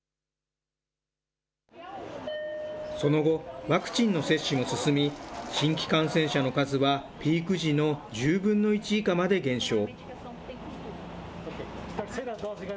その後、ワクチンの接種も進み、新規感染者の数はピーク時の１０分の１以下まで減少。